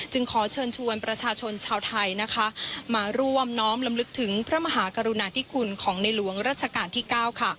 ขอเชิญชวนประชาชนชาวไทยมาร่วมน้อมลำลึกถึงพระมหากรุณาธิคุณของในหลวงรัชกาลที่๙